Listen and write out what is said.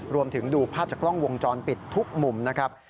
ดูภาพจากกล้องวงจรปิดทุกมุมนะครับ